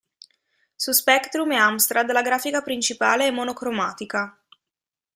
Su Spectrum e Amstrad la grafica principale è monocromatica.